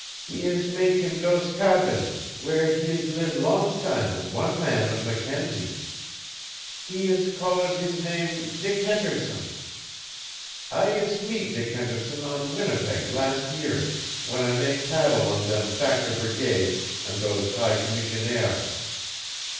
He is mak' heem dose cabane, w'ere he is leev long tam wid wan man of Mackenzie. He is call it hees nam' Dick Henderson. I is meet Dick Henderson on Winnipeg las' year, w'en I mak' paddle on dem Factor Brigade, an' dose High Commissionaire.